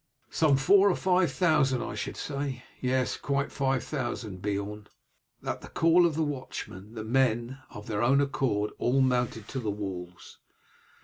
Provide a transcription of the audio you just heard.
"Some four or five thousand I should say." "Yes, quite five thousand, Beorn." At the call of the watchmen the men had, of their own accord, all mounted to the walls.